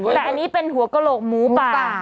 อันนี้เป็นหัวกโกรกหมูป่า